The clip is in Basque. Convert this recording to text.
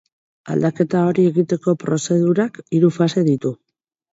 Aldaketa hori egiteko prozedurak hiru fase ditu.